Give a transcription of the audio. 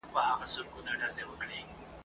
دا هم ژوند دی چي ستا سر در جوړومه !.